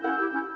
ya ya gak